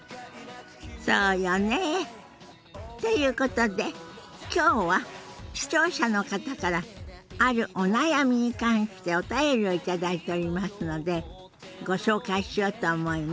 そうよね。ということで今日は視聴者の方からあるお悩みに関してお便りを頂いておりますのでご紹介しようと思います。